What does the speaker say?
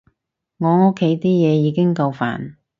我屋企啲嘢已經夠煩